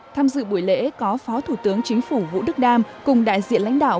tham dự buổi lễ có phó thủ tướng chính phủ vũ đức đam cùng đại diện lãnh đạo